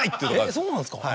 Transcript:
えっそうなんですか。